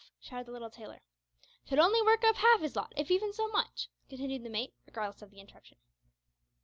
shouted the little tailor. "Could only work up half his lot if even so much," continued the mate, regardless of the interruption.